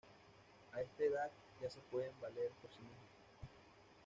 A esta edad ya se pueden valer por sí mismos.